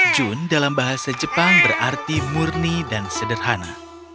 jun dalam bahasa jepang berarti murni dan sederhana